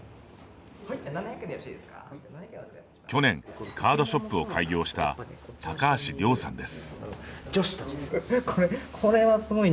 去年、カードショップを開業した高橋凌さんです。